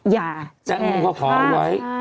อย่าแจ้งความพอไว้